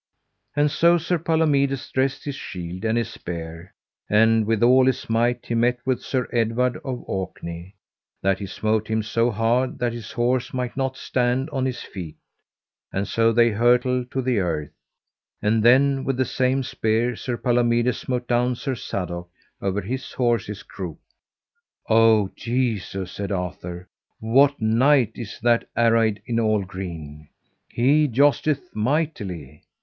And so Sir Palomides dressed his shield and his spear, and with all his might he met with Sir Edward of Orkney, that he smote him so hard that his horse might not stand on his feet, and so they hurtled to the earth; and then with the same spear Sir Palomides smote down Sir Sadok over his horse's croup. O Jesu, said Arthur, what knight is that arrayed all in green? he jousteth mightily.